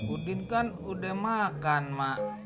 udin kan udah makan mak